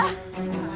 tante tante tante